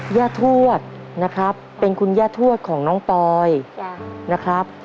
ทวดนะครับเป็นคุณย่าทวดของน้องปอยนะครับ